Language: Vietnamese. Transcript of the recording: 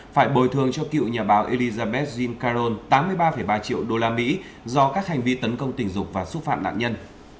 phải bồi thường cho cựu nhà báo elizabeth jean caron tám mươi ba ba triệu đô la mỹ do các hành vi tấn công tình dục và xúc phạm nạn nhân